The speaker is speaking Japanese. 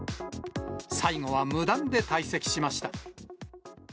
最後は無断で退席しました。